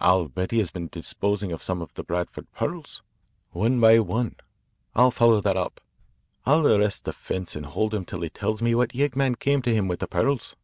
I'll bet he has been disposing of some of the Branford pearls, one by one. I'll follow that up. I'll arrest this 'fence' and hold him till he tells me what yeggman came to him with the pearls."